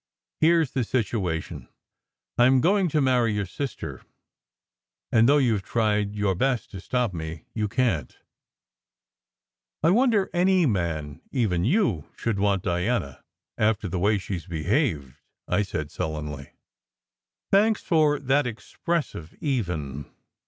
Here s the situation: I m 154 SECRET HISTORY going to marry your sister, and though you ve tried your best to stop me, you can t." "I wonder any man, even you, should want Diana after the way she s behaved," I said sullenly. "Thanks for that expressive even.